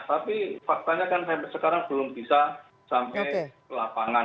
tapi faktanya kan sampai sekarang belum bisa sampai ke lapangan